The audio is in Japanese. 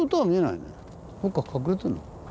どっか隠れてんのかな。